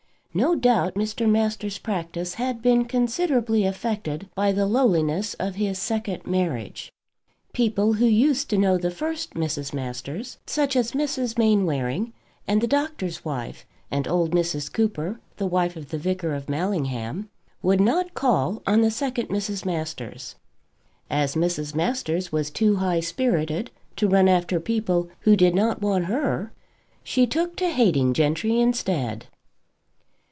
No doubt Mr. Masters' practice had been considerably affected by the lowliness of his second marriage. People who used to know the first Mrs. Masters, such as Mrs. Mainwaring, and the doctor's wife, and old Mrs. Cooper, the wife of the vicar of Mallingham, would not call on the second Mrs. Masters. As Mrs. Masters was too high spirited to run after people who did not want her, she took to hating gentry instead.